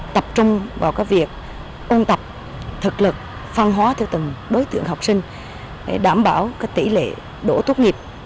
tập trung vào việc ôn tập thực lực phân hóa theo từng đối tượng học sinh để đảm bảo tỷ lệ đỗ tốt nghiệp